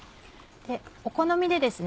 お好みでですね